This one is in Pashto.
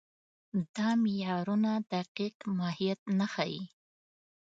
دا معیارونه دقیق ماهیت نه ښيي.